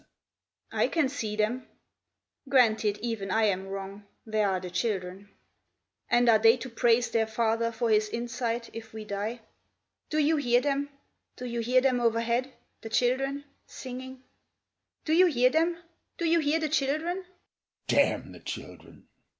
"I do not see those days." "I can see them. Granted even I am wrong, there are the children. And are they to praise their father for his insight if we die? Do you hear them? Do you hear them overhead the children singing? Do you hear them? Do you hear the children?" "Damn the children!"